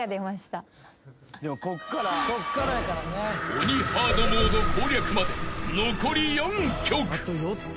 ［鬼ハードモード攻略まで残り４曲］